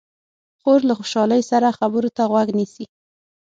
خور له خوشحالۍ سره خبرو ته غوږ نیسي.